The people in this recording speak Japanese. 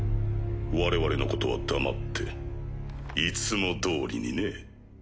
我々のことは黙っていつもどおりにね。